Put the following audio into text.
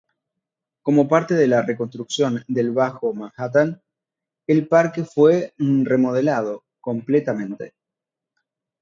Como parte de la reconstrucción del Bajo Manhattan, el parque fue remodelado completamente.